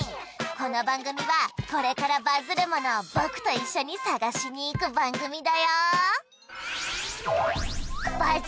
この番組はこれからバズるものを僕と一緒に探しに行く番組だよ